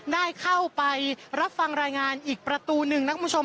ได้เข้าไปรับฟังรายงานอีกประตูหนึ่งนะคุณผู้ชม